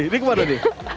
ini kemana d